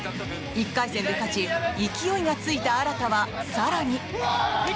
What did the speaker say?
１回戦で勝ち勢いがついた新は、更に。